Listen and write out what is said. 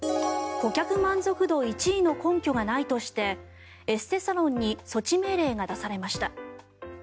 顧客満足度１位の根拠がないとしてエステサロンに措置命令が出されました。